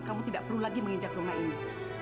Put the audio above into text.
kamu tidak perlu lagi menginjak rumah ini